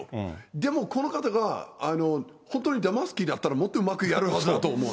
でもこの方が、本当にだます気だったら、もっとうまくやると思う。